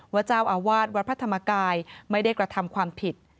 ว่าเจ้าอาวาสวัดพระธรรมกายไม่ได้กระทำความผิด